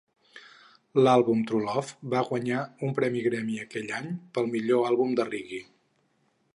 L'àlbum "True Love" va guanyar un premi Grammy aquell any pel millor àlbum de reggae.